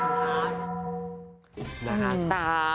หลานาตา